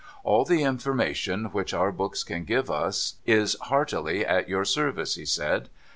' All the information which our books can give is heartily at your service,' he said.